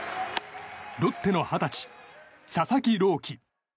ロッテの二十歳、佐々木朗希。